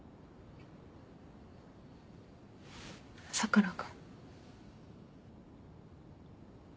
佐倉君？